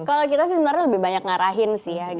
kalau kita sih sebenarnya lebih banyak ngarahin sih ya